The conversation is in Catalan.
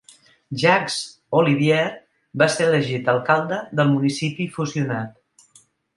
Jacques Olivier va ser elegit alcalde del municipi fusionat.